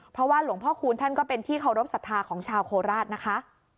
เพราะว่าหลวงพ่อคูณท่านก็เป็นที่เคารพสัทธาของชาวโคราชนะคะ